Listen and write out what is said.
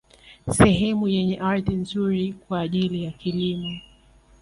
Sehemu yenye ardhi nzuri kwa ajili ya kilimo